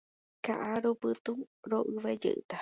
Ka'arupytũ ro'yvejeýta.